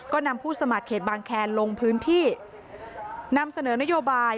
ก็นำผู้สมัครเขตบางแคนลงพื้นที่นำเสนอนโยบาย